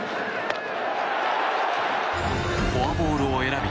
フォアボールを選び